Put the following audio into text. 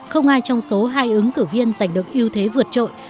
không ai trong số hai ứng cử viên giành được ưu thế vượt trội